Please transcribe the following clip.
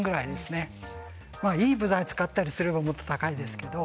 いい部材使ったりすればもっと高いですけど。